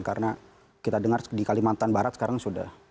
karena kita dengar di kalimantan barat sekarang sudah